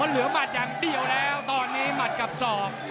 เหลือหมัดอย่างเดียวแล้วตอนนี้หมัดกับศอก